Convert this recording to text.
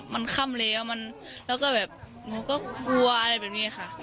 มันค่ำแล้วแล้วก็แบบหนูก็กลัวอะไรแบบนี้ค่ะ